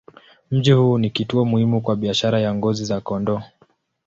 Mji huu ni kituo muhimu kwa biashara ya ngozi za kondoo.